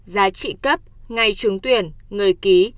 giá trị cấp ngày trường tuyển người ký